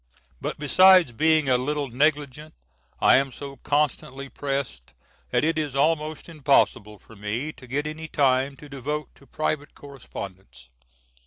But besides being a little negligent I am so constantly pressed that it is almost impossible for me to get any time to devote to private correspondence.